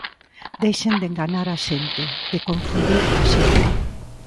Deixen de enganar a xente, de confundir a xente.